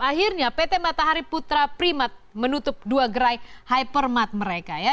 akhirnya pt matahari putra primat menutup dua gerai hypermat mereka ya